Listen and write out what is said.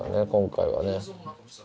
今回はね。